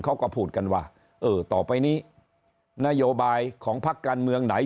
เขาก็พูดกันว่าเออต่อไปนี้นโยบายของพักการเมืองไหน